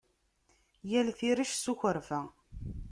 Yal tirect s ukwerfa.